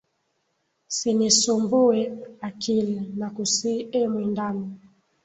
Sinisumbuwe akili, nakusihi e mwendani,